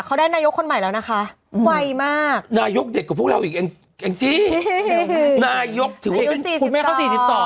เขาได้นายกคนใหม่แล้วนะคะไวมากนายกเด็ดกว่าพวกเราอีกเองแองจี้นายกถือว่าเป็นคุณแม่เขาสี่สิบสอง